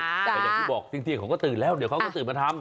แต่อย่างที่บอกเที่ยงเขาก็ตื่นแล้วเดี๋ยวเขาก็ตื่นมาทำ